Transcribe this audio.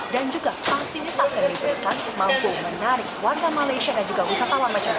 dan juga fasilitas yang diberikan mampu menarik warga malaysia dan juga usaha warga jawa